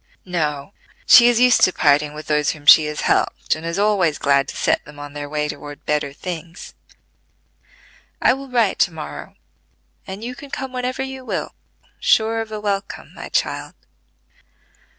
"No: she is used to parting with those whom she has helped, and is always glad to set them on their way toward better things. I will write to morrow, and you can come whenever you will, sure of a welcome, my child."